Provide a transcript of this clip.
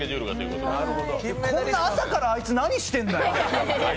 こんな朝から、あいつ何してんだよ！